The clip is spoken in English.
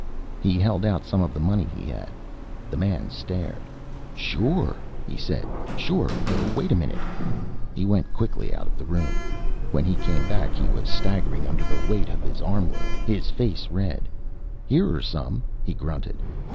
He held out some of the money he had. The man stared. "Sure," he said. "Sure. Wait a minute." He went quickly out of the room. When he came back he was staggering under the weight of his armload, his face red. "Here are some," he grunted.